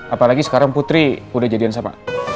apalagi sekarang putri udah jadian siapa